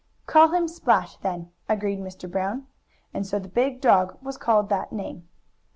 "Call him Splash, then," agreed Mr. Brown, and so the big dog was called that name.